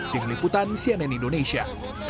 tingin liputan cnn indonesia